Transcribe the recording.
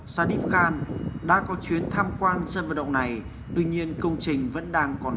xin chào và hẹn gặp lại